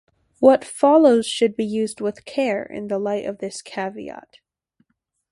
What follows should be used with care in the light of this caveat.